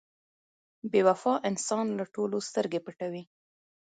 • بې وفا انسان له ټولو سترګې پټوي.